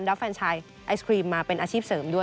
รับแฟนชายไอศครีมมาเป็นอาชีพเสริมด้วย